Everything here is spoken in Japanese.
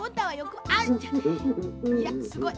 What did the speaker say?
いやすごい。